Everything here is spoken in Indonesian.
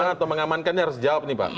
keamanan atau mengamankan harus dijawab nih pak